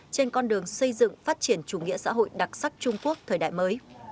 trên con đường xây dựng phát triển chủ nghĩa xã hội đặc sắc trung quốc thời đại mới